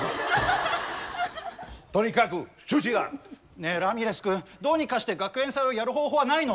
ねえラミレス君どうにかして学園祭をやる方法はないの？